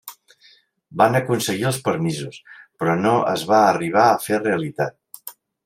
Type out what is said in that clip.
Van aconseguir els permisos, però no es va arribar a fer realitat.